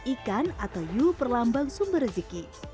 ikan atau hiu perlambang sumber rezeki